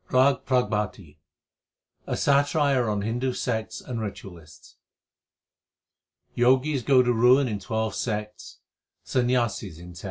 RAG PRABHATI A satire on Hindu sects and ritualists : Jogis go to ruin in twelve sects, Sanyasis in tm.